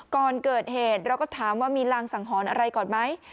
ก่อนเกิดเหตุเราก็ถามว่ามีรางสังหรณ์อะไรก่อนไหม